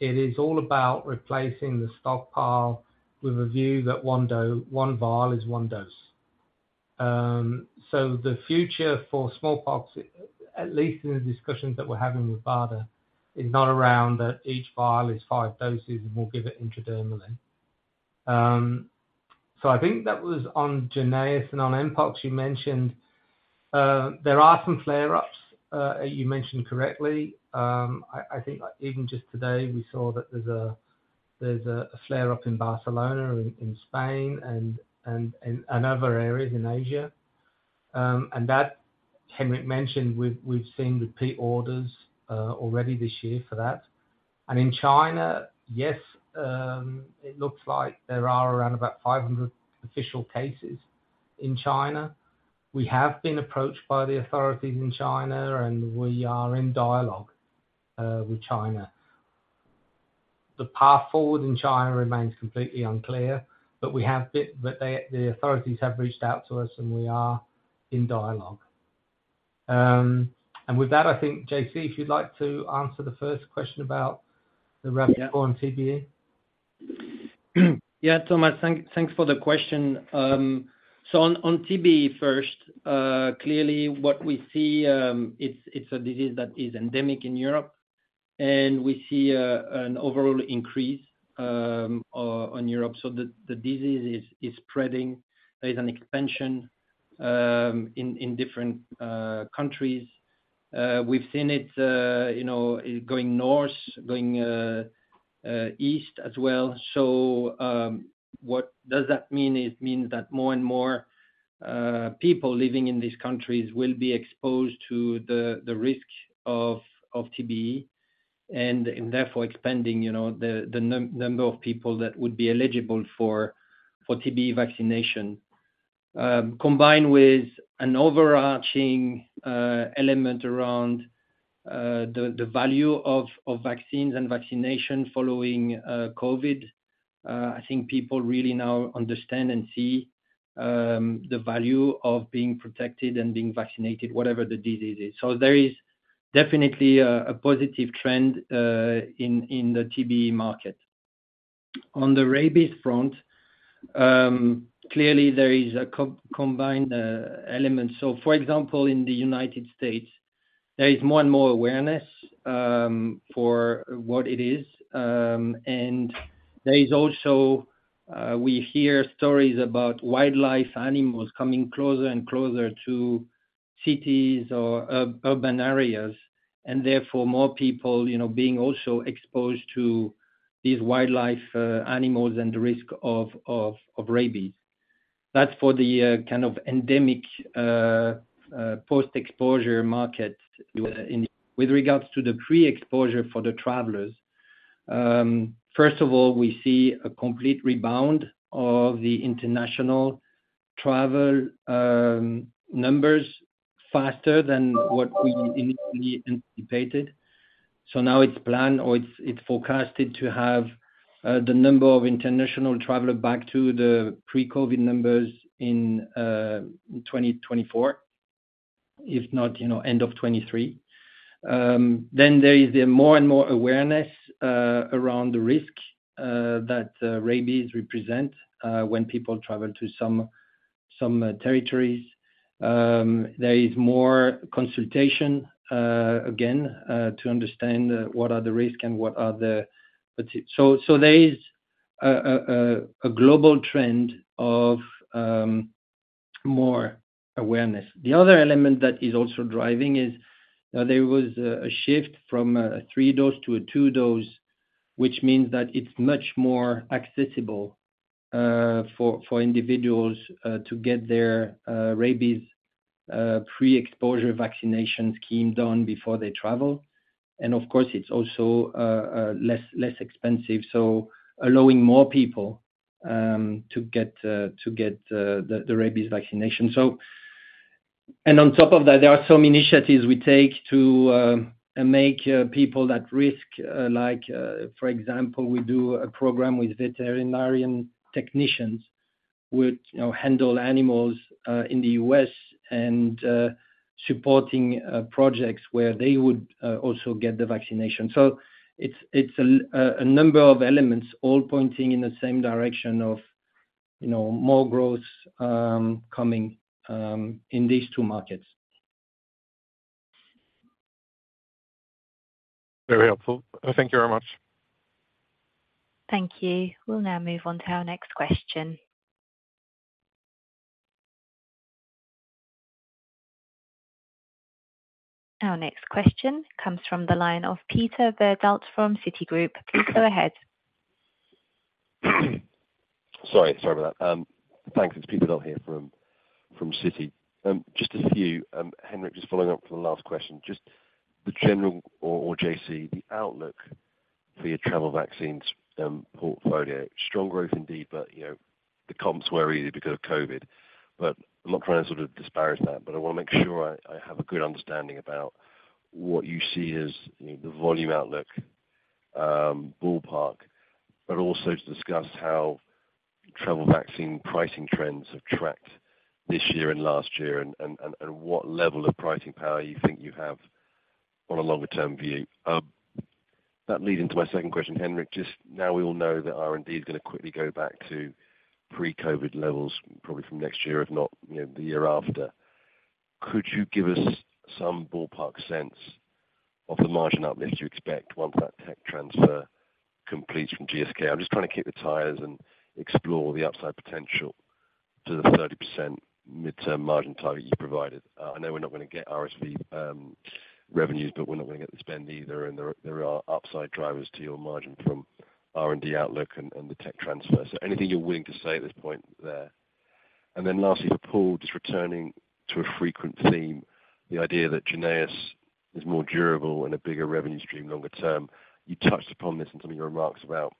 it is all about replacing the stockpile with a view that one vial is one dose. The future for smallpox, at least in the discussions that we're having with BARDA, is not around that each vial is five doses, and we'll give it intradermally. I think that was on JYNNEOS. On mpox, you mentioned, there are some flare-ups, you mentioned correctly. I, I think even just today, we saw that there's a flare-up in Barcelona, in Spain and other areas in Asia. That, Henrik mentioned, we've seen repeat orders already this year for that. In China, yes, it looks like there are around about 500 official cases in China. We have been approached by the authorities in China, and we are in dialogue with China. The path forward in China remains completely unclear, they, the authorities have reached out to us, and we are in dialogue. With that, I think, JC, if you'd like to answer the first question about the Rabipur. Yeah. On TBE? Yeah, Thomas, thanks for the question. On, on TBE first, clearly what we see, it's, it's a disease that is endemic in Europe, and we see an overall increase on Europe. The, the disease is, is spreading. There's an expansion in, in different countries. We've seen it, you know, going north, going east as well. What does that mean? It means that more and more people living in these countries will be exposed to the, the risk of, of TBE, and therefore, expanding, you know, the number of people that would be eligible for, for TBE vaccination. Combined with an overarching element around the, the value of, of vaccines and vaccination following COVID. I think people really now understand and see the value of being protected and being vaccinated, whatever the disease is. There is definitely a positive trend in the TBE market. On the rabies front, clearly there is a combined element. For example, in the United States, there is more and more awareness for what it is. There is also. We hear stories about wildlife animals coming closer and closer to cities or urban areas, and therefore more people, you know, being also exposed to these wildlife animals and the risk of rabies. That's for the kind of endemic post-exposure market. With regards to the pre-exposure for the travelers, first of all, we see a complete rebound of the international travel numbers faster than what we initially anticipated. Now it's planned, or it's, it's forecasted to have the number of international travelers back to the pre-COVID numbers in 2024, if not, you know, end of 23. There is a more and more awareness around the risk that rabies represent when people travel to some, some territories. There is more consultation again to understand what are the risks and what are the potential. There is a global trend of more awareness. The other element that is also driving is there was a shift from a three dose to a two dose, which means that it's much more accessible for individuals to get their rabies pre-exposure vaccination scheme done before they travel. Of course, it's also less, less expensive, so allowing more people to get the rabies vaccination. On top of that, there are some initiatives we take to make people at risk. Like, for example, we do a program with veterinarian technicians which, you know, handle animals in the U.S. and supporting projects where they would also get the vaccination. It's, it's a number of elements all pointing in the same direction of, you know, more growth coming in these two markets. Very helpful. Thank you very much. Thank you. We'll now move on to our next question. Our next question comes from the line of Peter Verdult from Citigroup. Please go ahead. Sorry, sorry about that. Thanks. It's Peter Verdult here from, from Citi. Just a few. Henrik, just following up from the last question, just the general... or, or JC, the outlook for your travel vaccines portfolio. Strong growth indeed, but, you know, the comps were easy because of COVID. I'm not trying to sort of disparage that, but I want to make sure I, I have a good understanding about what you see as, you know, the volume outlook, ballpark, but also to discuss how travel vaccine pricing trends have tracked this year and last year, and, and, and, and what level of pricing power you think you have on a longer term view. That leads into my second question, Henrik, just now we all know that R&D is going to quickly go back to pre-COVID levels, probably from next year, if not, you know, the year after. Could you give us some ballpark sense of the margin uplift you expect once that tech transfer completes from GSK? I'm just trying to kick the tires and explore the upside potential to the 30% midterm margin target you provided. I know we're not going to get RSV, revenues, but we're not going to get the spend either, and there, there are upside drivers to your margin from R&D outlook and, and the tech transfer. Anything you're willing to say at this point there? Then lastly, for Paul, just returning to a frequent theme, the idea that JYNNEOS is more durable and a bigger revenue stream longer term. You touched upon this in some of your remarks about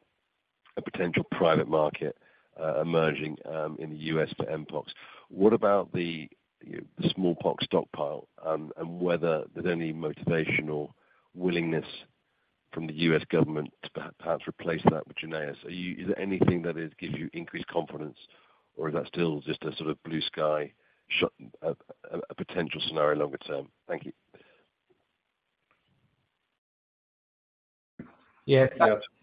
a potential private market emerging in the U.S. for mpox. What about the smallpox stockpile and whether there's any motivation or willingness from the U.S. government to perhaps replace that with JYNNEOS? Is there anything that is give you increased confidence, or is that still just a sort of blue sky shot, a potential scenario longer term? Thank you. Yeah.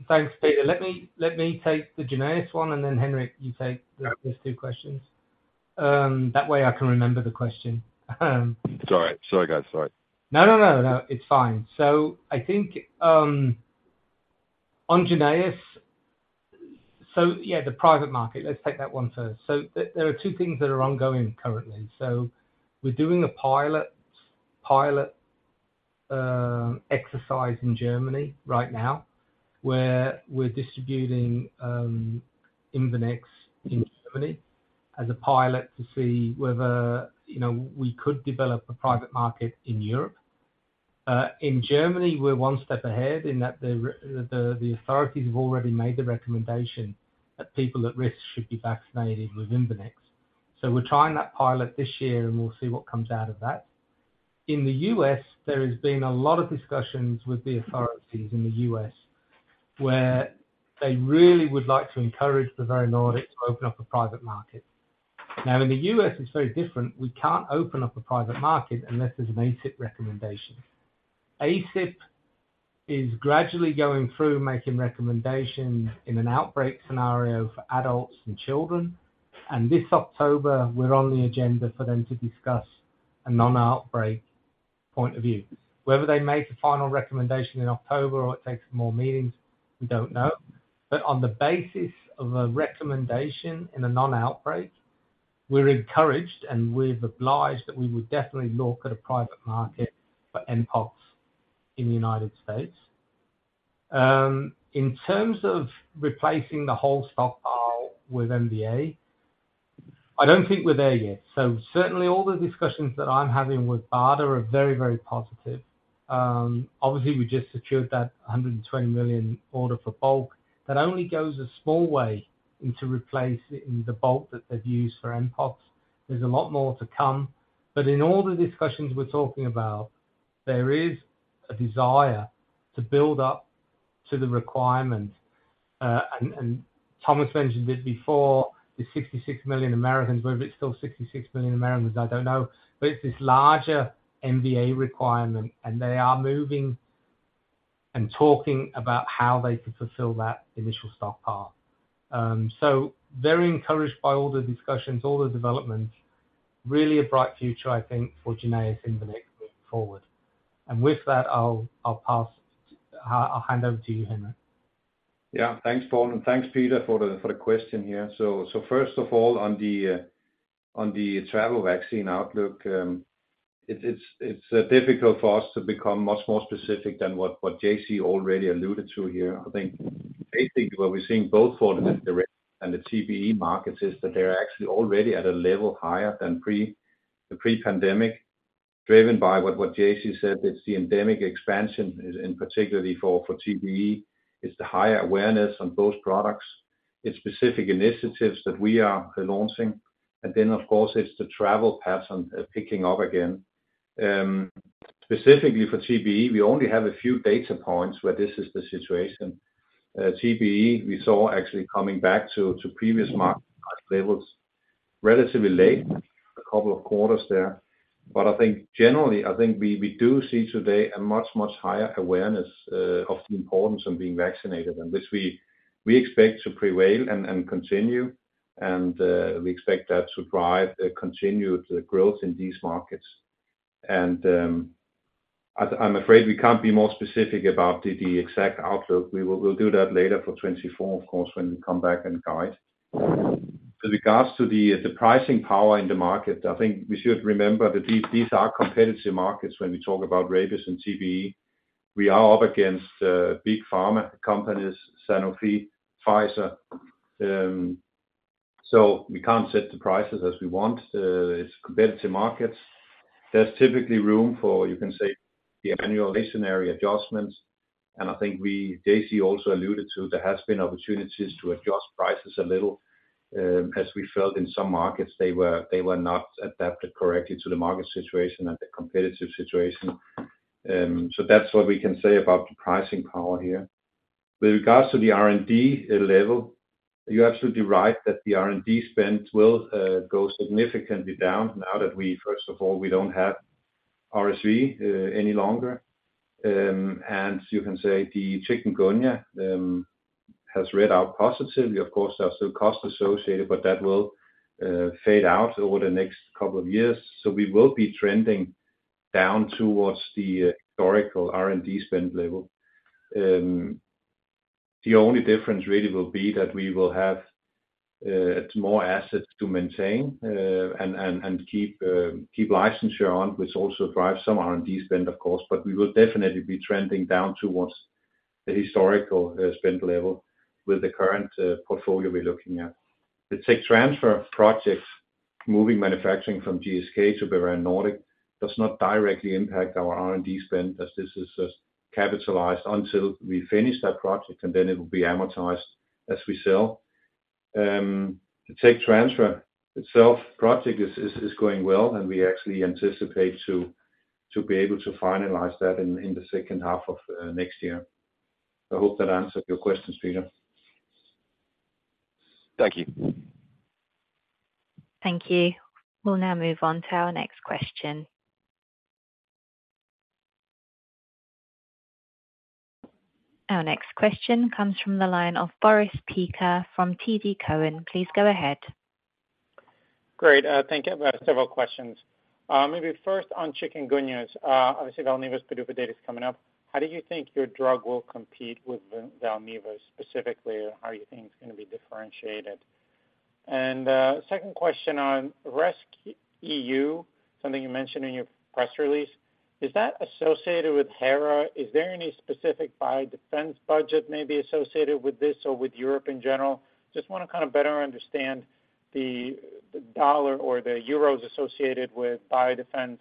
Thanks, Peter. Let me, let me take the JYNNEOS one, and then, Henrik, you take the rest two questions. That way I can remember the question. Sorry. Sorry, guys. Sorry. No, no, no, no, it's fine. I think, on JYNNEOS... Yeah, the private market, let's take that one first. There are two things that are ongoing currently. We're doing a pilot, pilot, exercise in Germany right now, where we're distributing, Imvanex in Germany as a pilot to see whether, you know, we could develop a private market in Europe. In Germany, we're one step ahead, in that the the, the authorities have already made the recommendation that people at risk should be vaccinated with Imvanex. We're trying that pilot this year, and we'll see what comes out of that. In the U.S., there has been a lot of discussions with the authorities in the U.S., where they really would like to encourage Bavarian Nordic to open up a private market. In the U.S., it's very different. We can't open up a private market unless there's an ACIP recommendation. ACIP is gradually going through, making recommendations in an outbreak scenario for adults and children. This October, we're on the agenda for them to discuss a non-outbreak point of view. Whether they make a final recommendation in October, or it takes more meetings, we don't know. On the basis of a recommendation in a non-outbreak, we're encouraged, and we've obliged that we would definitely look at a private market for mpox in the United States. In terms of replacing the whole stock pile with MVA, I don't think we're there yet. Certainly, all the discussions that I'm having with BARDA are very, very positive. Obviously, we just secured that $120 million order for bulk. That only goes a small way into replacing the bulk that they've used for mpox. There's a lot more to come, in all the discussions we're talking about, there is a desire to build up to the requirement. Thomas mentioned it before, the 66 million Americans, whether it's still 66 million Americans, I don't know, but it's this larger MVA requirement, and they are moving and talking about how they can fulfill that initial stockpile. So very encouraged by all the discussions, all the developments. Really a bright future, I think, for JYNNEOS Imvanex moving forward. With that, I'll, I'll pass- I'll hand over to you, Henrik. Yeah. Thanks, Paul, and thanks, Peter, for the, for the question here. First of all, on the travel vaccine outlook, it's, it's, it's difficult for us to become much more specific than what, what JC already alluded to here. I think basically, what we're seeing both for the rabies and the TBE markets, is that they're actually already at a level higher than the pre-pandemic, driven by what, what JC said, it's the endemic expansion, in particularly for, for TBE. It's the higher awareness on both products. It's specific initiatives that we are launching. Then, of course, it's the travel pattern picking up again. Specifically for TBE, we only have a few data points where this is the situation. TBE, we saw actually coming back to previous market levels relatively late, couple of quarters there. I think generally, I think we, we do see today a much, much higher awareness of the importance of being vaccinated, and which we, we expect to prevail and continue, and we expect that to drive a continued growth in these markets. I, I'm afraid we can't be more specific about the exact outlook. We'll do that later for 24, of course, when we come back and guide. With regards to the pricing power in the market, I think we should remember that these, these are competitive markets when we talk about rabies and TBE. We are up against big pharma companies, Sanofi, Pfizer. So we can't set the prices as we want. It's competitive markets. There's typically room for, you can say, the annual statutory adjustments. JC also alluded to, there has been opportunities to adjust prices a little, as we felt in some markets, they were not adapted correctly to the market situation and the competitive situation. That's what we can say about the pricing power here. With regards to the R&D level, you're absolutely right that the R&D spend will go significantly down, now that we, first of all, we don't have RSV any longer. You can say the chikungunya has read out positive. Of course, there are still costs associated, but that will fade out over the next couple of years. We will be trending down towards the historical R&D spend level. The only difference really will be that we will have more assets to maintain and, and, and keep licensure on, which also drives some R&D spend, of course. We will definitely be trending down towards the historical spend level with the current portfolio we're looking at. The tech transfer projects, moving manufacturing from GSK to Bavarian Nordic, does not directly impact our R&D spend, as this is just capitalized until we finish that project, and then it will be amortized as we sell. The tech transfer itself project is, is, is going well, and we actually anticipate to, to be able to finalize that in the second half of next year. I hope that answered your questions, Peter. Thank you. Thank you. We'll now move on to our next question. Our next question comes from the line of Boris Peaker from TD Cowen. Please go ahead. Great. Thank you. I have several questions. Maybe first on chikungunya. Obviously, Valneva's pediatric data is coming up. How do you think your drug will compete with Valneva? Specifically, how do you think it's going to be differentiated? Second question on rescEU, something you mentioned in your press release. Is that associated with HERA? Is there any specific biodefense budget maybe associated with this or with Europe in general? Just want to kind of better understand the dollar or the euros associated with biodefense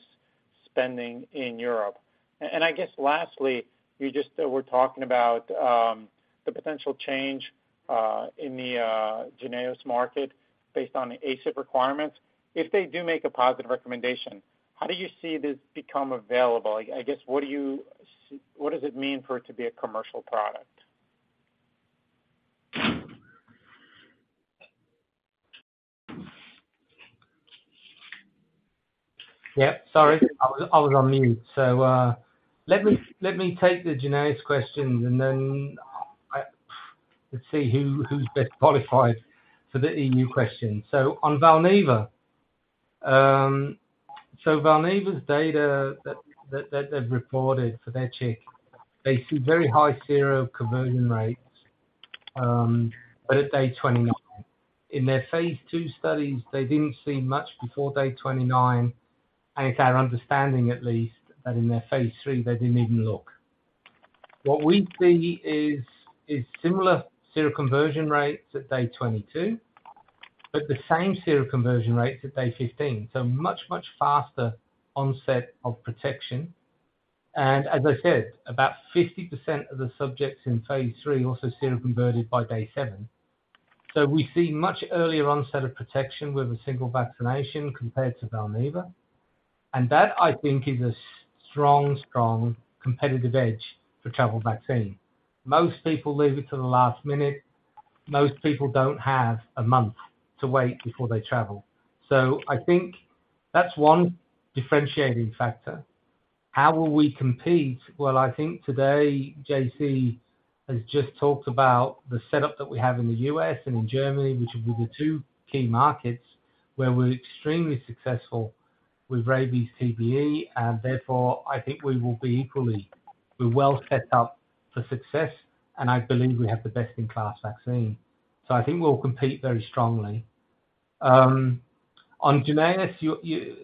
spending in Europe. I guess lastly, you just were talking about the potential change in the JYNNEOS market based on the ACIP requirements. If they do make a positive recommendation, how do you see this become available? I guess, what do you what does it mean for it to be a commercial product? Yeah, sorry, I was, I was on mute. Let me, let me take the JYNNEOS questions, and then let's see who's best qualified for the EU question. On Valneva. Valneva's data that they've reported for their Chik, they see very high seroconversion rates, but at day 29. In their phase II studies, they didn't see much before day 29, and it's our understanding at least, that in their phase III, they didn't even look. What we see is similar seroconversion rates at day 22, but the same seroconversion rates at day 15, much faster onset of protection. As I said, about 50% of the subjects in phase III, also seroconverted by day seven. We see much earlier onset of protection with a single vaccination compared to Valneva. That, I think, is a strong, strong competitive edge for travel vaccine. Most people leave it to the last minute. Most people don't have a month to wait before they travel. I think that's one differentiating factor. How will we compete? I think today, JC has just talked about the setup that we have in the U.S. and in Germany, which will be the two key markets where we're extremely successful with rabies, TBE, and therefore, I think we will be equally... We're well set up for success, and I believe we have the best-in-class vaccine. I think we'll compete very strongly. On JYNNEOS, you, you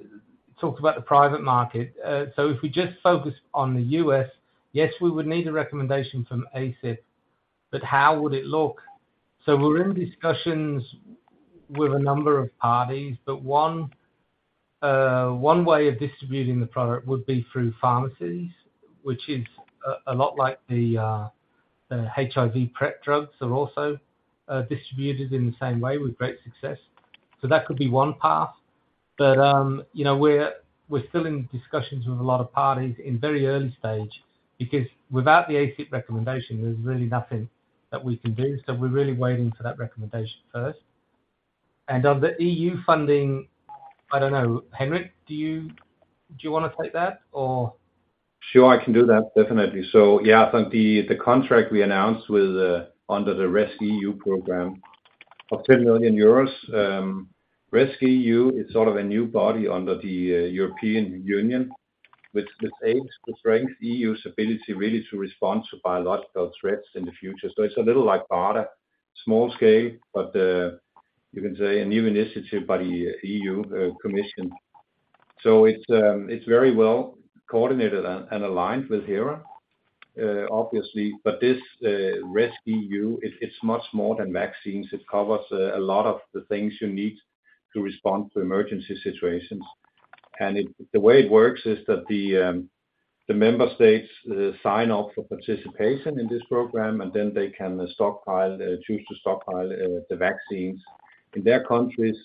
talked about the private market. If we just focus on the U.S., yes, we would need a recommendation from ACIP, but how would it look? We're in discussions with a number of parties, but one way of distributing the product would be through pharmacies, which is a lot like the HIV PrEP drugs are also distributed in the same way with great success. That could be one path. You know, we're still in discussions with a lot of parties in very early stage, because without the ACIP recommendation, there's really nothing that we can do. We're really waiting for that recommendation first. On the EU funding, I don't know. Henrik, do you, do you want to take that, or? Sure, I can do that, definitely. Yeah, on the contract we announced with the, under the rescEU program of 10 million euros. RescEU is sort of a new body under the European Union, which, which aims to strengthen EU's ability, really, to respond to biological threats in the future. It's a little like BARDA, small scale, but you can say a new initiative by the EU Commission. It's very well coordinated and aligned with HERA, obviously. This rescEU, it, it's much more than vaccines. It covers a lot of the things you need to respond to emergency situations. It, the way it works is that the, the member states sign off for participation in this program, and then they can stockpile, choose to stockpile, the vaccines in their countries,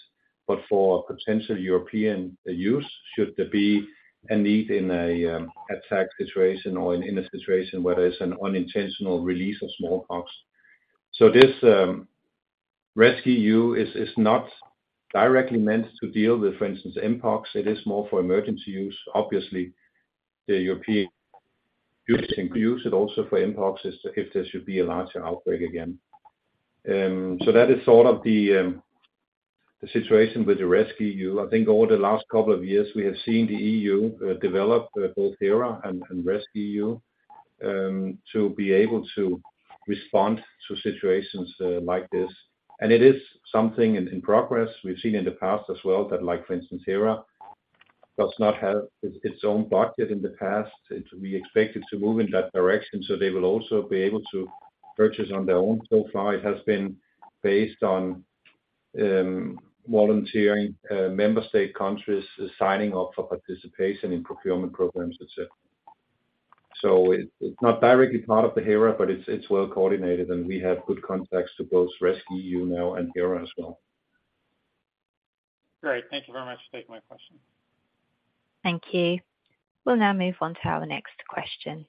but for potential European use, should there be a need in an attack situation or in a situation where there's an unintentional release of smallpox. This rescEU is not directly meant to deal with, for instance, mpox. It is more for emergency use. Obviously, the European use, it also for mpox, is if there should be a larger outbreak again. That is sort of the situation with the rescEU. I think over the last couple of years, we have seen the EU develop both HERA and rescEU to be able to respond to situations like this. It is something in, in progress. We've seen in the past as well, that, like, for instance, HERA does not have its, its own budget in the past. It will be expected to move in that direction, so they will also be able to purchase on their own. So far, it has been based on volunteering member state countries signing off for participation in procurement programs itself. It's, it's not directly part of the HERA, but it's, it's well coordinated, and we have good contacts to both rescEU now and HERA as well. Great. Thank you very much for taking my question. Thank you. We'll now move on to our next question.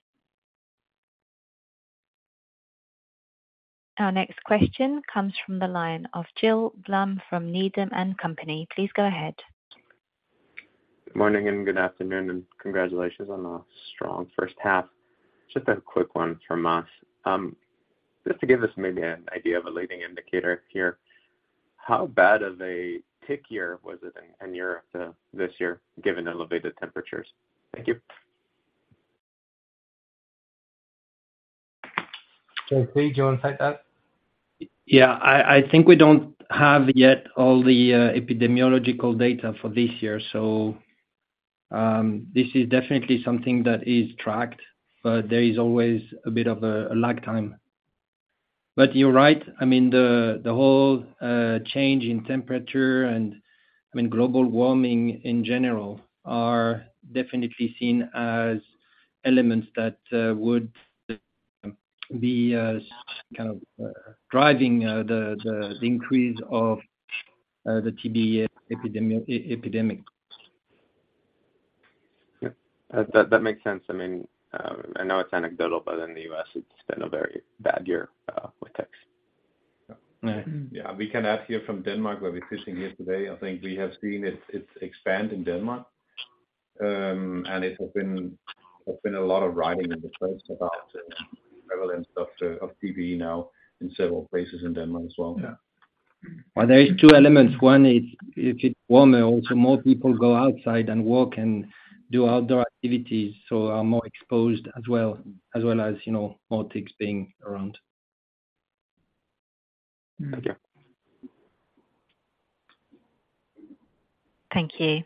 Our next question comes from the line of Gil Blum from Needham & Company. Please go ahead. Good morning, and good afternoon, and congratulations on a strong first half. Just a quick one from us. Just to give us maybe an idea of a leading indicator here, how bad of a tick year was it in Europe this year, given the elevated temperatures? Thank you. JC, do you want to take that? Yeah, I, I think we don't have yet all the epidemiological data for this year, so this is definitely something that is tracked, but there is always a bit of a lag time. You're right, I mean, the whole change in temperature and, I mean, global warming in general, are definitely seen as elements that would be kind of driving the increase of the TBE epidemic, epidemic. Yeah, that, that makes sense. I mean, I know it's anecdotal, but in the US it's been a very bad year with ticks. Yeah. Yeah, we can add here from Denmark, where we're sitting here today. I think we have seen it, it expand in Denmark. It's been a lot of writing in the press about the relevance of TBE now in several places in Denmark as well. Yeah. Well, there is two elements. One is if it's warmer, also more people go outside and walk and do outdoor activities, so are more exposed as well, as well as, you know, more ticks being around. Thank you. Thank you.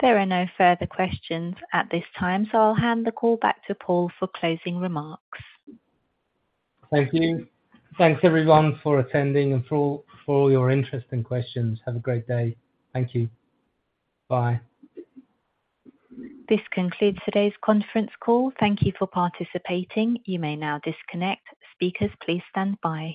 There are no further questions at this time. I'll hand the call back to Paul for closing remarks. Thank you. Thanks, everyone, for attending and for all, for all your interesting questions. Have a great day. Thank you. Bye. This concludes today's conference call. Thank you for participating. You may now disconnect. Speakers, please stand by.